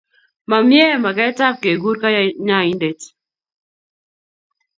Mamie magetab kekur kanyaindet